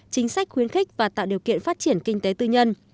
chính sách khuyến khích và tạo điều kiện phát triển kinh tế tư nhân